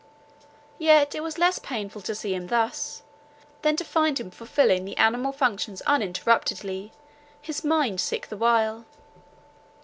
Yet it was less painful to see him thus, than to find him fulfilling the animal functions uninterruptedly, his mind sick the while.